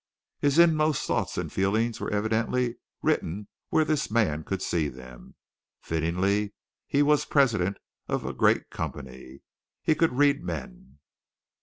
His inmost thoughts and feelings were evidently written where this man could see them. Fittingly was he president of a great company. He could read men.